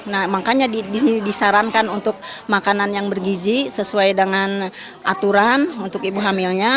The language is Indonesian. nah makanya disarankan untuk makanan yang bergiji sesuai dengan aturan untuk ibu hamilnya